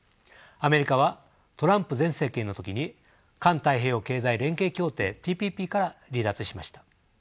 アメリカはトランプ前政権の時に環太平洋経済連携協定ＴＰＰから離脱しました。